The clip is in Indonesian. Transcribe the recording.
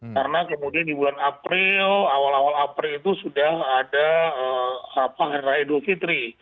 karena kemudian di awal awal april itu sudah ada hari raya duh fitri